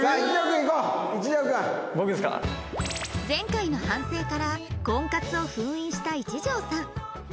前回の反省から婚活を封印した一条さん